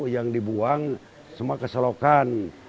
yang dibuang semua ke selokan